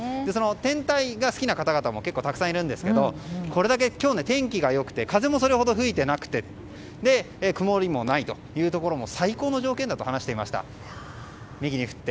天体が好きな方も結構たくさんいるんですけどこれだけ今日天気が良くて風もそれほど吹いてなくて曇りもないというところも最高の条件だと話していました。